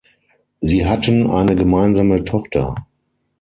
Sie hatten eine gemeinsame Tochter.